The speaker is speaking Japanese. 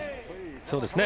そうですね。